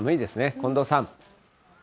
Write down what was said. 近藤さん。